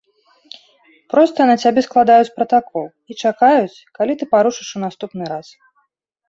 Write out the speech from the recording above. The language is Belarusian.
Проста на цябе складаюць пратакол і чакаюць, калі ты парушыш у наступны раз.